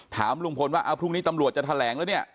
ถามลุงพลว่าพรุ่งนี้ตำรวจจะแถลงแล้วเนี่ย